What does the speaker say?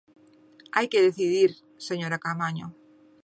Hai que decidir, señora Caamaño.